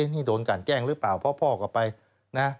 นี่โดนการแกล้งหรือเปล่าพ่อกลับไปนะ